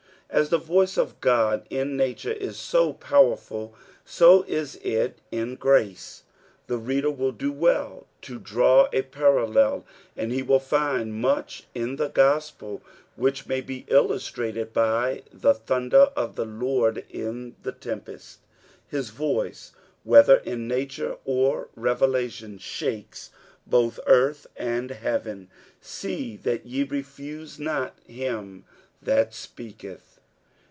As the voice of Ood in nature is so powerful, so is it in grace ; the reader will do well to draw a parallel, and he will find much in the gospel which ma; he illoatrated by the thunder of the Lord in the tempeat, His voice, whether in nature or revelation, shakes both earth and heaven i see that ye refuse not him that speaketh.